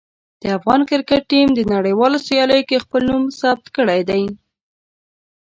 د افغان کرکټ ټیم د نړیوالو سیالیو کې خپل نوم ثبت کړی دی.